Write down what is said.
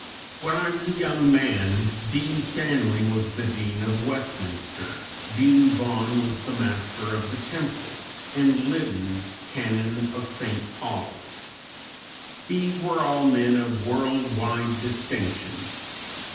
When I was a young man Dean Stanley was the Dean of Westminster, Dean Vaughan was the Master of the Temple, and Liddon Canon of St. Paul's. These were all men of world wide distinction.